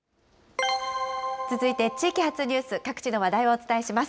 続いて地域発ニュース、各地の話題をお伝えします。